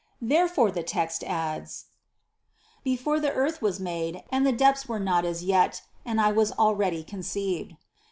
Therefore the text adds : 58. "Before the earth was made; and the depths were not as yet and I was already conceived."